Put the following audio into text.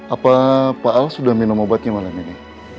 apa pak al sudah minum obatnya malam ini